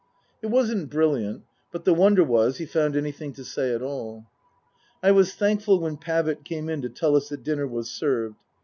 It wasn't brilliant, but the wonder was he found anything to say at all. I was thankful when Pavitt came in to tell us that dinner was served.